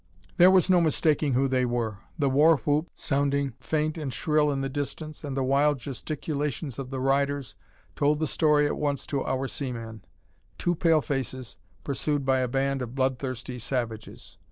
There was no mistaking who they were. The war whoop, sounding faint and shrill in the distance, and the wild gesticulations of the riders, told the story at once to our seaman two pale faces, pursued by a band of bloodthirsty savages!